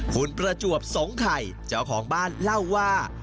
คุณประจวบสงไข่เจ้าของบ้านเล่าว่า